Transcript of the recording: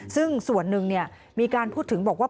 ซึ่งส่วนหนึ่งมีการพูดถึงบอกว่า